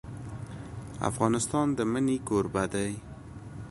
افغانستان د منی کوربه دی.